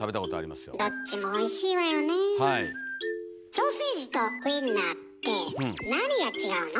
ソーセージとウインナーってなにが違うの？